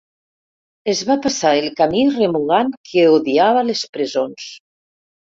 Es va passar el camí remugant que odiava les presons.